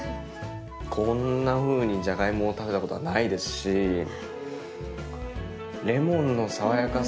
こんなふうにじゃがいもを食べたことはないですしレモンの爽やかさ。